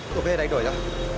được rồi em đánh đổi cho